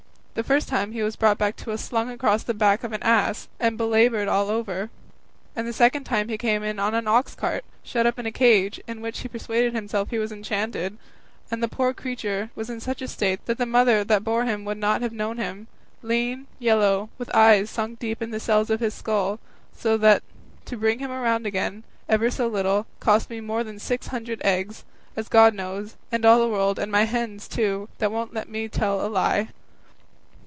The first time he was brought back to us slung across the back of an ass, and belaboured all over; and the second time he came in an ox cart, shut up in a cage, in which he persuaded himself he was enchanted, and the poor creature was in such a state that the mother that bore him would not have known him; lean, yellow, with his eyes sunk deep in the cells of his skull; so that to bring him round again, ever so little, cost me more than six hundred eggs, as God knows, and all the world, and my hens too, that won't let me tell a lie."